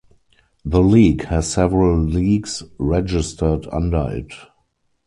The league has several leagues registered under it.